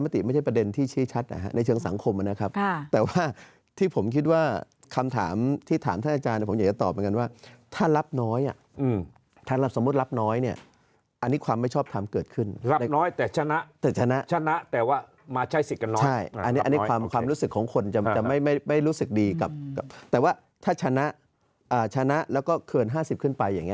ถ้านัดสมมุติรับน้อยอันนี้ความไม่ชอบทำเกิดขึ้น